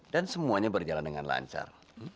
dan semuanya berjalan dengan lancar